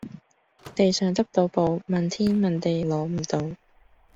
地上執到寶，問天問地攞唔到